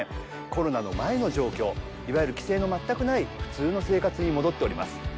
コロナの前の状況、いわゆる規制の全くない普通の生活に戻っております。